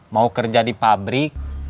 mau kerja di pabrik